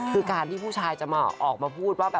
คือการที่ผู้ชายจะออกมาพูดว่า